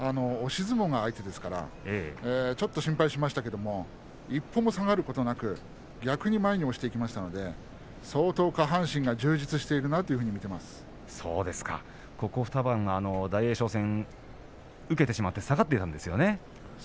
特に大栄翔戦は押し相撲が相手ですからちょっと心配しましたけど一歩も下がることなく逆に前に押していきましたので相当、下半身が充実しているなとここ２番大栄翔戦、受けてしまって下がってたんですよね。